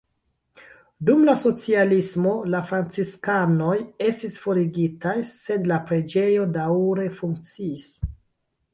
Dum la socialismo la franciskanoj estis forigitaj, sed la preĝejo daŭre funkciis.